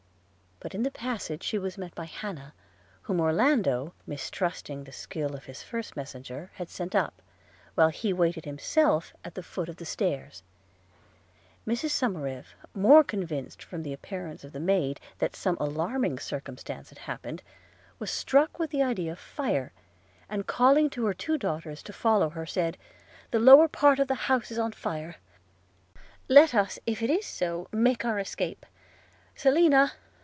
– But in the passage she was met by Hannah, whom Orlando, mistrusting the skill of his first messenger, had sent up, while he waited himself at the foot of the stairs. Mrs Somerive, more convinced from the appearance of the maid, that some alarming circumstance had happened, was struck with the idea of fire, and calling to her two daughters to follow her, said: 'The lower part of the house is on fire – let us, if it is so, make our escape. – Selina!